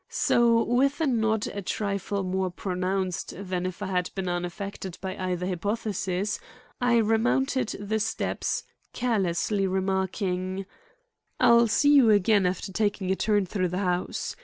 So with a nod a trifle more pronounced than if I had been unaffected by either hypothesis, I remounted the steps, carelessly remarking: "I'll see you again after taking a turn through the house.